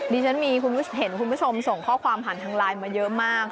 ดิฉันเห็นคุณผู้ชมส่งข้อความผ่านทางไลน์มาเยอะมาก